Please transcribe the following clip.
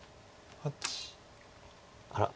あら。